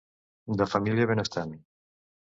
De família benestant.